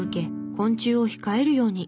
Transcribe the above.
昆虫を控えるように。